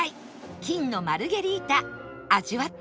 金のマルゲリータ味わってみましょう